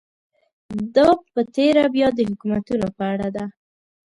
دا په تېره بیا د حکومتونو په اړه ده.